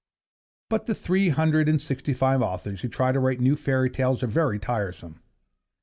But the three hundred and sixty five authors who try to write new fairy tales are very tiresome.